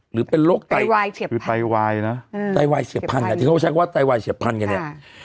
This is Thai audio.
หรือเป็นโรคไตไตไวท์เสพพันธุ์